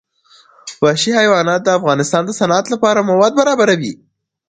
وحشي حیوانات د افغانستان د صنعت لپاره مواد برابروي.